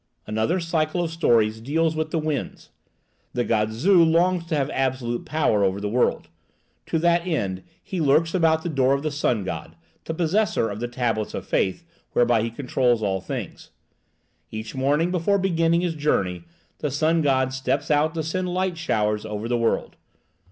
Another cycle of stories deals with the winds. The god Zu longs to have absolute power over the world. To that end he lurks about the door of the sun god, the possessor of the tablets of fate whereby he controls all things. Each morning before beginning his journey, the sun god steps out to send light showers over the world.